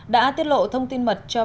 đã tiết lộ thông tin mật cho bà chue